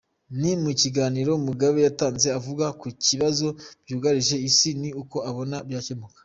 Ni mu kiganiro Mugabe yatanze avuga ku bibazo byugarije Isi ni uko abona byakemurwa.